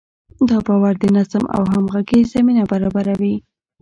دا باور د نظم او همغږۍ زمینه برابروي.